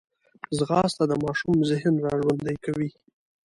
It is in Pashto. ځغاسته د ماشوم ذهن راژوندی کوي